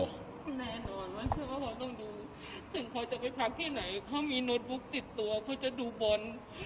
แน่นอนวันเชื่อว่าเขาต้องดูก็จะไปพักที่ไหนเขามีโน๊ตบุ๊คติดตัวเขาจะดูบน